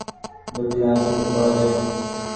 দুটি লাইন শুধু পড়া যায়।